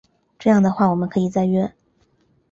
这样的话我们可以再约